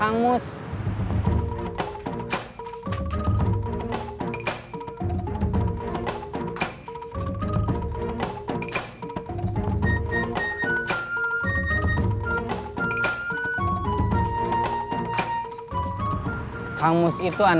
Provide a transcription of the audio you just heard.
aneh gw udah sampai siang